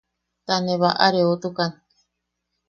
Ta ne baʼareotukan.